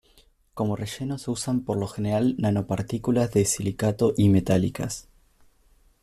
Como relleno se usan por lo general nanopartículas de silicato y metálicas.